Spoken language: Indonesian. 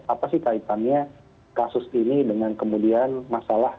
apa sih kaitannya kasus ini dengan kemudian masalah